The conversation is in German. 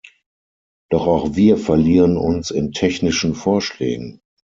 Doch auch wir verlieren uns in technischen Vorschlägen.